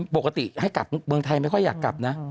ปกติให้กลับเมืองไทยไม่ค่อยอยากกลับนะ